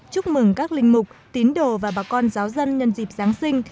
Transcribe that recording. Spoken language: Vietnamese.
chúc mừng các linh mục tín đồ và bà con giáo dân nhân dịp giáng sinh